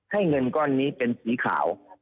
เงินก้อนนี้เป็นสีขาว